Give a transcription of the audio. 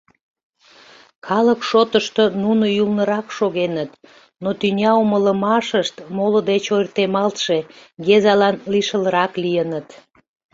Калык шотышто нуно ӱлнырак шогеныт, но тӱняумылымашышт моло деч ойыртемалтше, Гезалан лишылрак лийыныт.